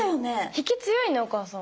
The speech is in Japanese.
引き強いねお母さん。